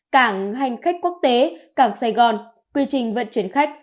cảng hành khách quốc tế cảng sài gòn quy trình vận chuyển khách